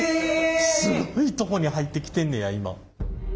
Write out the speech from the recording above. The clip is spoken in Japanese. すごいとこに入ってきてんねや今。